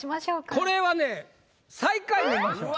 これはね最下位見ましょう。